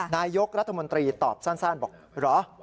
นายกรัฐมนตรีตอบสั้นบอกเหรอ